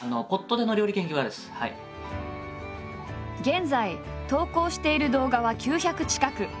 現在投稿している動画は９００近く。